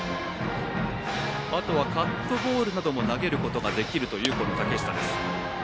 あとはカットボールなども投げることができる竹下。